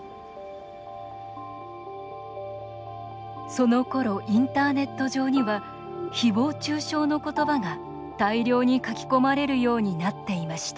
そのころインターネット上にはひぼう中傷の言葉が大量に書き込まれるようになっていました。